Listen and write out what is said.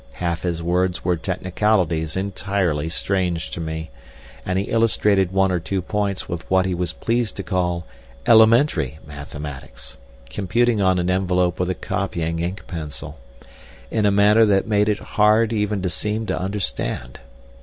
Half his words were technicalities entirely strange to me, and he illustrated one or two points with what he was pleased to call elementary mathematics, computing on an envelope with a copying ink pencil, in a manner that made it hard even to seem to understand.